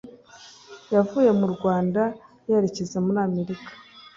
yavuye mu Rwanda yerekeza muri Amerika